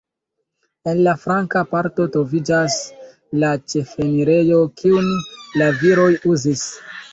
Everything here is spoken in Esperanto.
En la flanka parto troviĝas la ĉefenirejo, kiun la viroj uzis.